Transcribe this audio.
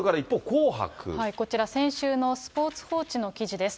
こちら、先週のスポーツ報知の記事です。